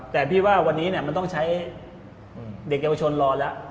แต่พี่ว่าวันนี้มันต้องใช้เด็กเยาวชนรอแล้ว